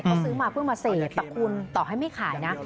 เขาซื้อมาเพิ่งมาเสพแต่คุณต่อให้ไม่ขายนะ